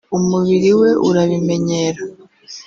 umubiri we urabimenyera